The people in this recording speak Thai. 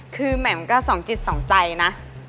คือแหม่มก็สองจิตสองใจนะ